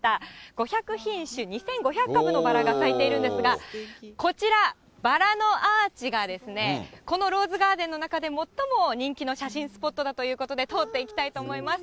５００品種２５００株のバラが咲いているんですが、こちら、バラのアーチがですね、このローズガーデンの中で最も人気の写真スポットだということで、通っていきたいと思います。